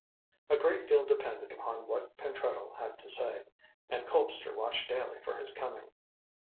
A great deal depended upon what Pentreddle had to say, and Colpster watched daily for his coming.